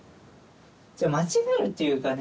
間違えるっていうかね